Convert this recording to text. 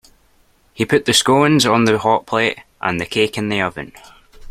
He put the scones on the hotplate, and the cake in the oven